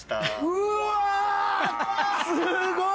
うわすごい！